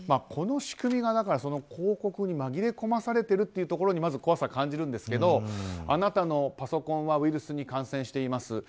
この仕組みが広告に紛れ込まされてるというところにまず怖さを感じるんですけどあなたのパソコンはウイルスに感染しています。